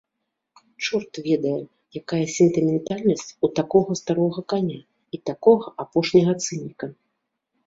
Чорт ведае, якая сентыментальнасць у такога старога каня і такога апошняга цыніка!